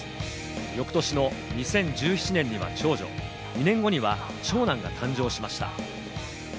翌年の２０１７年には長女、２年後には長男が誕生しました。